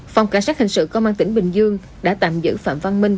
phòng cảnh sát hình sự công an tỉnh bình dương đã tạm giữ phạm văn minh